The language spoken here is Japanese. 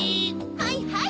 はいはい！